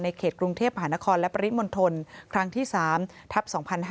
เขตกรุงเทพฯหานครและปริมณฑลครั้งที่๓ทัพ๒๕๕๙